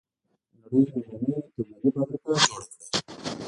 د نړۍ لومړنۍ تولیدي فابریکه جوړه کړه.